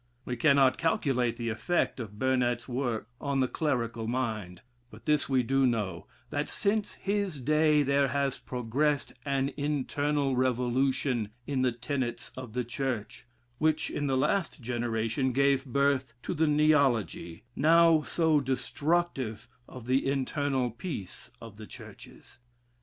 We cannot calculate the effect of Burnet's works on the clerical mind; but this we do know, that since his day, there has progressed an internal revolution in the tenets of the church, which, in the last generation, gave birth to the neology, now so destructive of the internal peace of the churches.